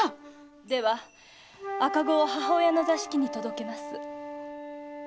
〔では赤子を母親の座敷に届けます〕